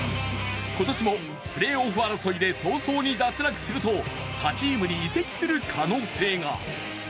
今年もプレーオフ争いで早々に脱落すると他チームに移籍する可能性が。